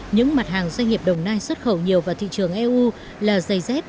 những mặt hàng doanh nghiệp đồng nai xuất khẩu nhiều vào thị trường eu là giày dép